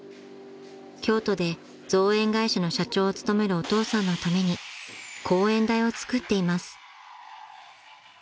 ［京都で造園会社の社長を務めるお父さんのために講演台を作っています］